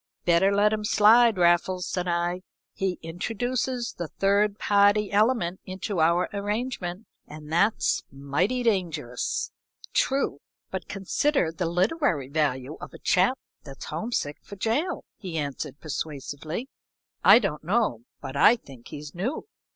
"Better let him slide, Raffles," said I. "He introduces the third party element into our arrangement, and that's mighty dangerous." "True but consider the literary value of a chap that's homesick for jail," he answered, persuasively. "I don't know, but I think he's new."